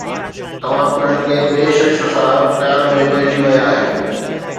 توهان پڻ ڪنهن ٻئي شخص سان پيار ۾ پئجي ويا آهيو